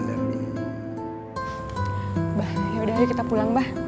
bah yaudah kita pulang bah